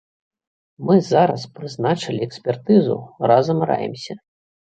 Мы зараз прызначылі экспертызу, разам раімся.